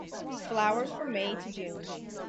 Flowers from May to June.